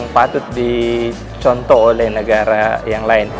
dan itu adalah hal yang harus diperkenalkan oleh negara lain